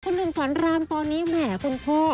หนุ่มสอนรามตอนนี้แหมคุณพ่อ